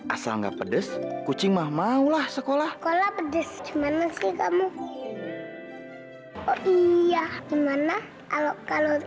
asal nggak pedes kucing mah maulah sekolah sekolah pedes gimana sih kamu oh iya gimana kalau kalau